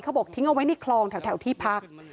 บอกทิ้งเอาไว้ในคลองแถวที่พัก